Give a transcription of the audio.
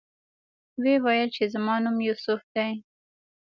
ویې ویل چې زما نوم یوسف دی.